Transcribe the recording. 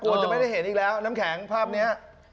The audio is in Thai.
จะไม่ได้เห็นอีกแล้วน้ำแข็งภาพนี้